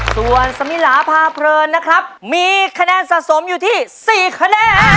ส่วนสมิลาพาเพลินนะครับมีคะแนนสะสมอยู่ที่๔คะแนน